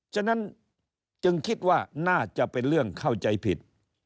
ฉะนั้นจึงคิดว่าน่าจะเป็นเรื่องเข้าใจผิด